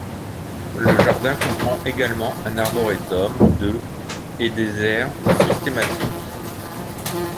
Le jardin comprend également un arboretum de et des aires systématiques.